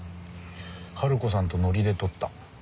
春子さんとノリで撮った。